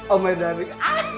oh my darling